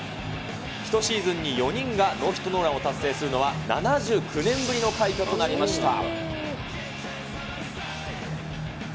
１シーズンに４人がノーヒットノーランを達成するのは、７９年ぶりの快挙となりました。